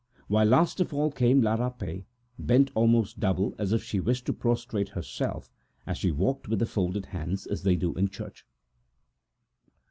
Last of all came La Rapet, bent almost double, as if she wished to prostrate herself; she walked with folded hands, as if she were in church.